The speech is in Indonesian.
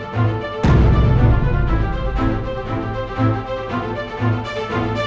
tasya gak mungkin liat wajahnya billy